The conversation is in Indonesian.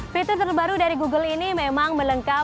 fitur terbaru dari google ini memang menyebabkan penyelenggaraan